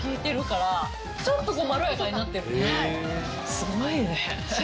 すごいね。